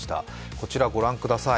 こちら、ご覧ください。